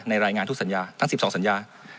รายงานทุกสัญญาทั้ง๑๒สัญญา